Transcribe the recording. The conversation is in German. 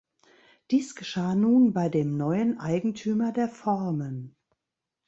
Dies geschah nun bei dem neuen Eigentümer der Formen.